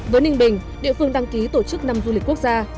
với ninh bình địa phương đăng ký tổ chức năm du lịch quốc gia